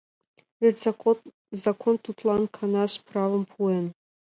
Вет закон тудлан канаш правам пуэн.